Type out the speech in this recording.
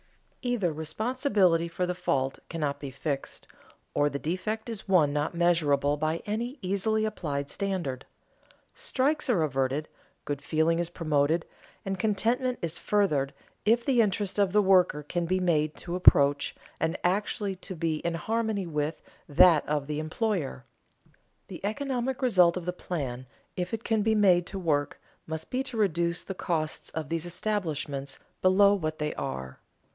Either responsibility for the fault cannot be fixed, or the defect is one not measurable by any easily applied standard. Strikes are averted, good feeling is promoted, and contentment is furthered if the interest of the worker can be made to approach, and actually to be in harmony with, that of the employer. The economic result of the plan, if it can be made to work, must be to reduce the costs of these establishments below what they are.